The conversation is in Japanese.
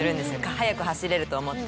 速く走れると思って。